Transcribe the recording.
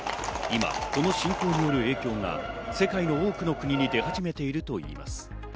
今、この侵攻による影響が世界の多くの国に出始めているといいます。